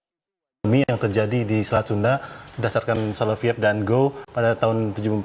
tsunami yang terjadi di selat sunda berdasarkan soloviet dan go pada tahun seribu sembilan ratus tujuh puluh empat